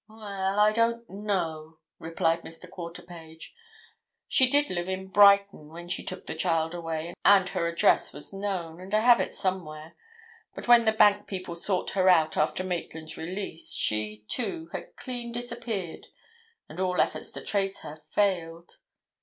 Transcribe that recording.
"Well, I don't know," replied Mr. Quarterpage. "She did live in Brighton when she took the child away, and her address was known, and I have it somewhere. But when the bank people sought her out after Maitland's release, she, too, had clean disappeared, and all efforts to trace her failed.